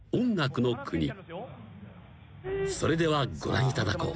［それではご覧いただこう］